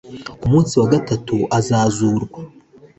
ku munsi wa gatatu azazurwa